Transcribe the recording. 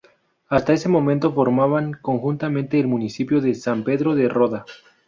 Hasta ese momento, formaban conjuntamente el municipio de San Pedro de Roda.